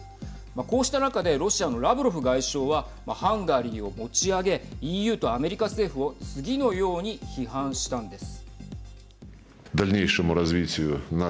こうした中でロシアのラブロフ外相はハンガリーを持ち上げＥＵとアメリカ政府を次のように批判したんです。